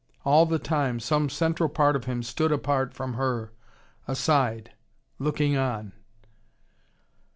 All the time, some central part of him stood apart from her, aside, looking on.